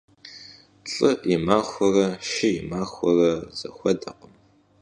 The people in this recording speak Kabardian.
ЛӀы и махуэрэ шы и махуэрэ зэхуэдэкъым.